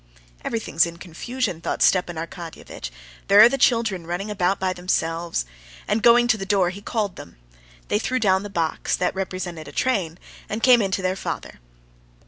"Everything's in confusion," thought Stepan Arkadyevitch; "there are the children running about by themselves." And going to the door, he called them. They threw down the box, that represented a train, and came in to their father.